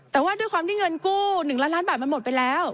แต่ว่าด้วยความที่เงินกู้๑ล้านล้านบาทมันหมดไปแล้ว